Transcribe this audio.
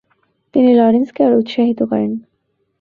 তিনি লরেন্সকে আরো উৎসাহিত করেন।